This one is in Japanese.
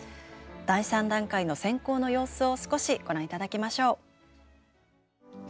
第３段階の選考の様子を少しご覧頂きましょう。